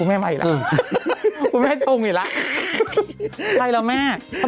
มันจะซื้อพ่อมัชชันมีจริงหรือ